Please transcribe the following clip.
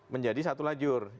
menjadi satu lajur